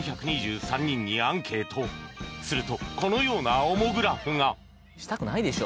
するとこのようなオモグラフがしたくないでしょ。